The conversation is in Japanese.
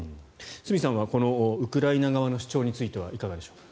角さんはこのウクライナ側の主張についてはいかがでしょう。